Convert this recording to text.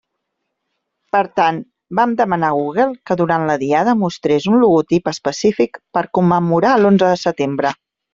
Per tant, vam demanar a Google que durant la Diada mostrés un logotip específic per commemorar l'onze de setembre.